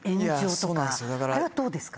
あれはどうですか？